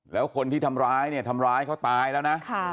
แล้วคนที่ทำร้ายเนี่ยทำร้ายเขาตายแล้วนะ